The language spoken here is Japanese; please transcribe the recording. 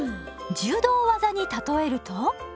柔道技に例えると？